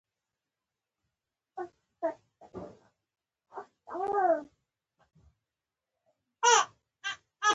جمله د جوړښت له مخه ساده او مرکبه ده.